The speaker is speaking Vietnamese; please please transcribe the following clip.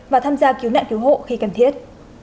và tham gia cứu nạn cứu hộ khi cần thiết